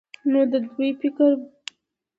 نو د دوي په فکر